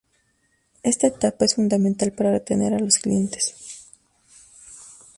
Esta etapa es fundamental para retener a los clientes.